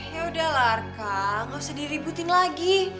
yaudah lah arka gak usah diributin lagi